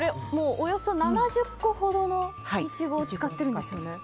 およそ７０個ほどのイチゴを使ってるんですよね。